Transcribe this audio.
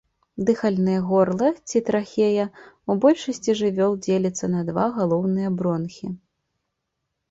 Дыхальнае горла, ці трахея, у большасці жывёл дзеліцца на два галоўныя бронхі.